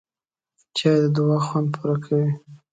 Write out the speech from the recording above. چای د دعا خوند پوره کوي